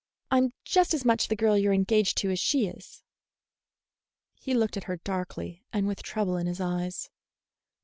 I'm just as much the girl you're engaged to as she is." He looked at her darkly and with trouble in his eyes.